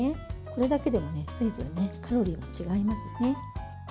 これだけでもずいぶんカロリーが違います。